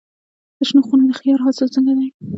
د شنو خونو د خیار حاصل څنګه دی؟